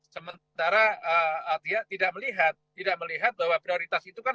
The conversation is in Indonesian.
sementara dia tidak melihat tidak melihat bahwa prioritas itu kan